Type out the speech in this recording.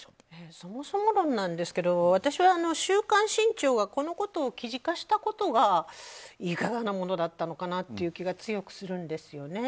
そもそも論なんですけど私は「週刊新潮」がこのことを記事化したことがいかがなものだったのかという気が強くするんですよね。